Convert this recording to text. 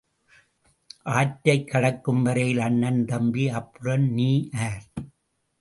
ஆற்றைக் கடக்கும்வரையில் அண்ணன் தம்பி அப்புறம் நீ ஆர்?